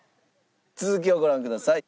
続きをご覧ください。